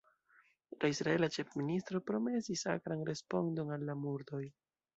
La israela ĉefministro promesis akran respondon al la murdoj.